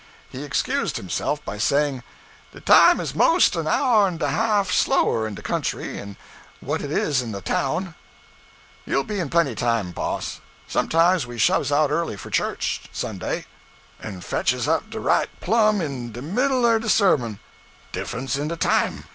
He excused himself by saying 'De time is mos' an hour en a half slower in de country en what it is in de town; you'll be in plenty time, boss. Sometimes we shoves out early for church, Sunday, en fetches up dah right plum in de middle er de sermon. Diffunce in de time.